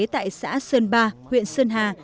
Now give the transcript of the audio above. tại xã sơn ba huyện sơn hà